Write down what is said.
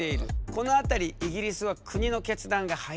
この辺りイギリスは国の決断が早い。